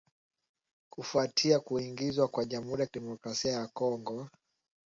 kufuatia kuingizwa kwa Jamhuri ya Kidemokrasi ya Kongo